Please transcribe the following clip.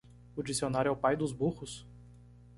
O dicionário é o pai dos burros?